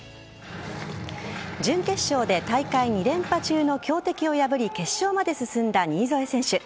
準決勝で大会２連覇中の強敵を破り決勝まで進んだ新添選手。